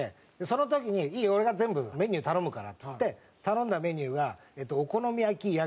その時に「いいよ。俺が全部メニュー頼むから」っつって頼んだメニューが。